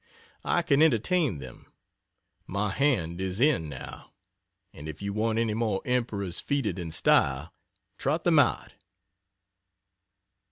I can, entertain them. My hand is in, now, and if you want any more Emperors feted in style, trot them out.